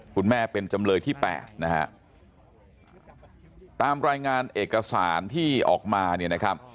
คุณแม่เป็นจำเลยที่แปดนะฮะตามรายงานเอกสารที่ออกมาเนี่ยนะครับ